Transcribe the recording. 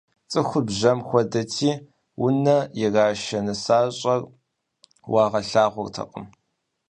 ЦӀыхур бжьэм хуэдэти, унэ ирашэ нысащӀэр уагъэлъагъуртэкъым.